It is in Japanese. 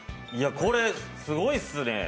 これ、すごいっすね。